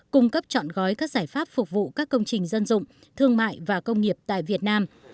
cung cấp chọn gói các giải pháp phục vụ các công trình dân dụng thương mại và công nghiệp tại việt nam